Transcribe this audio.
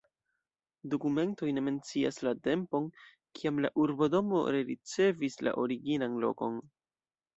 Dokumentoj ne mencias la tempon, kiam la urbodomo rericevis la originan lokon.